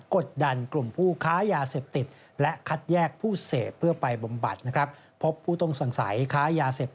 กดดันกลุ่มผู้ค้ายาเสพติดและคัดแยกผู้เสพเพื่อไอบอมบัตินะครับ